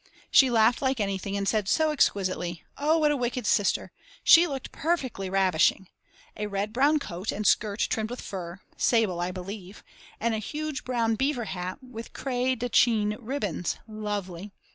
She laughed like anything and said so exquisitely: Oh, what a wicked sister. She looked perfectly ravishing: A red brown coat and skirt trimmed with fur, sable I believe, and a huge brown beaver hat with crepe de chine ribbons, lovely.